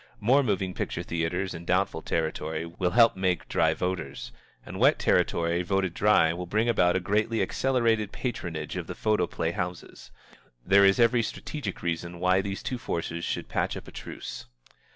More moving picture theatres in doubtful territory will help make dry voters. And wet territory voted dry will bring about a greatly accelerated patronage of the photoplay houses. There is every strategic reason why these two forces should patch up a truce.